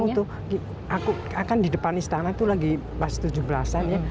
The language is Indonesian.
nggak tahu tuh aku kan di depan istana tuh lagi pas tujuh belas an ya